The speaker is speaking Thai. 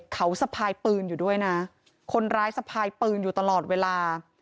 เขาสะพายปืนอยู่ด้วยนะคนร้ายสะพายปืนอยู่ตลอดเวลา